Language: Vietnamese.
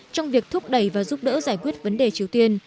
trong việc thúc đẩy và giúp đỡ giải quyết vấn đề triều tiên